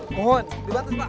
mohon dibantu pak